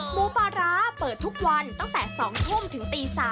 หมูปลาร้าเปิดทุกวันตั้งแต่๒ทุ่มถึงตี๓